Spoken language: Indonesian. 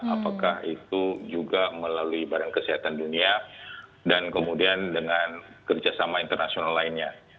apakah itu juga melalui badan kesehatan dunia dan kemudian dengan kerjasama internasional lainnya